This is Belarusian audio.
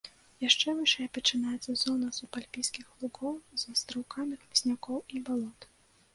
Яшчэ вышэй пачынаецца зона субальпійскіх лугоў з астраўкамі хмызнякоў і балот.